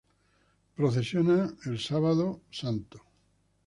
Procesionan el Sábado Santo.